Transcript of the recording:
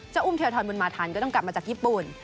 อุ้มเทียทรบุญมาทันก็ต้องกลับมาจากญี่ปุ่น